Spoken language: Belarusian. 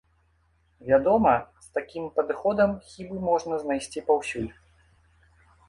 Вядома, з такім падыходам хібы можна знайсці паўсюль.